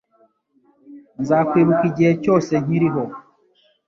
Nzakwibuka igihe cyose nkiriho.